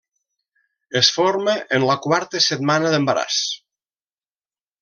Es forma en la quarta setmana d’embaràs.